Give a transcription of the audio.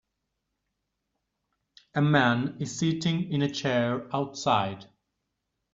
A man is sitting in a chair outside.